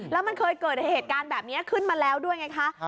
แล้วมันเคยเกิดเหตุการณ์แบบนี้ขึ้นมาแล้วด้วยไงคะ